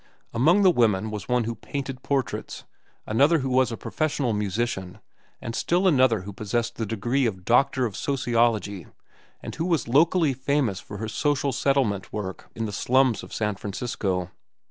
Among the women was one who painted portraits, another who was a professional musician, and still another who possessed the degree of Doctor of Sociology and who was locally famous for her social settlement work in the slums of San Francisco.